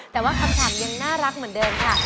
แต่ว่าคำถามยังน่ารักเหมือนเดิมค่ะ